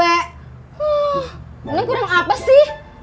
ini kurang apa sih